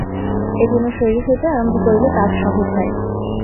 এজন্য শরীর হইতে আরম্ভ করিলে কাজ সহজ হয়।